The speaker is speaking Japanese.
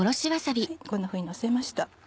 こんなふうにのせました。